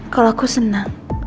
kalo aku senang